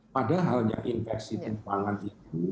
padahal infeksi tumpangan itu